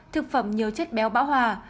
thực phẩm nhiều chất béo bão hòa